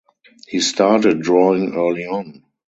He started drawing early on.